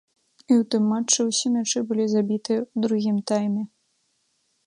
І ў тым матчы ўсе мячы былі забітыя ў другім тайме.